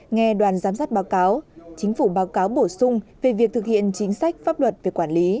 nghe đoàn giám sát báo cáo chính phủ báo cáo bổ sung về việc thực hiện chính sách pháp luật về quản lý